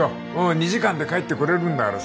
２時間で帰ってこれるんだからさ。